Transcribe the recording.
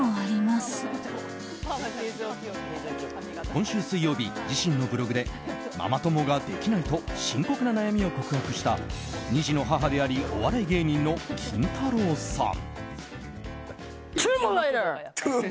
今週水曜日、自身のブログでママ友ができないと深刻な悩みを告白した２児の母でありお笑い芸人のキンタロー。